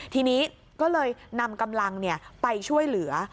ทีนี้ก็เลยนำกำลังไปช่วยเหลือ